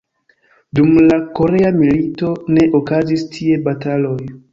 Dum la Korea milito ne okazis tie bataloj.